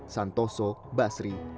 santoso basri dan pusat